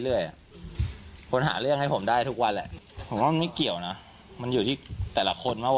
เรื่องที่นายเรื่องเหลือหลายคนมันฯอยู่กับเหทีนะครับ